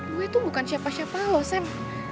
gue tuh bukan siapa siapa lo sam